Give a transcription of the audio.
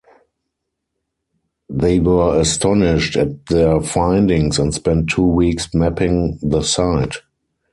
They were astonished at their findings and spent two weeks mapping the site.